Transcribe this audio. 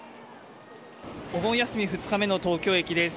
お盆休み２日目の東京駅です。